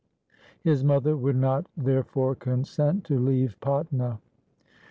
His mother would not therefore consent to leave Patna.